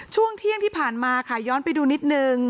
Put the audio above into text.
ช่วงเที่ยงที่ผ่านมาค่ะย้อนไปดูนิดนึง